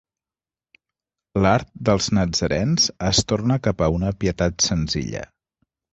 L'art dels natzarens es torna cap a una pietat senzilla.